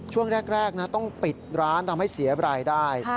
ช่วงแรกนะต้องปิดร้านทำให้เสียรายได้